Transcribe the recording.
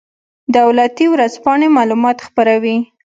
دولتي ورځپاڼې معلومات خپروي